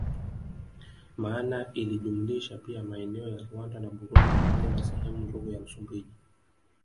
Maana ilijumlisha pia maeneo ya Rwanda na Burundi pamoja na sehemu ndogo ya Msumbiji